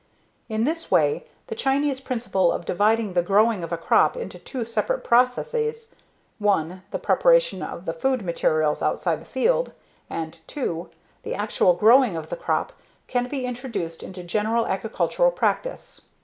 In this way the Chinese principle of dividing the growing of a crop into two separate processes (1) the preparation of the food materials outside the field, and (2) the actual growing of the crop can be introduced into general agricultural practice."